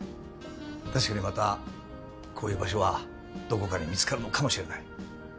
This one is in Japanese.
確かにまたこういう場所はどこかに見つかるのかもしれない。